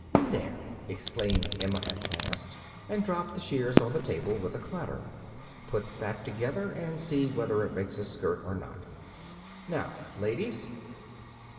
"There!" exclaimed Emma at last, and dropped the shears on the table with a clatter. "Put that together and see whether it makes a skirt or not. Now, ladies!"